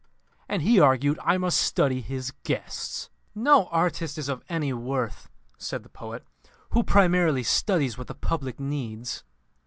And he argued I must study his guests!" "No artist is of any worth," said the poet, "who primarily studies what the public needs."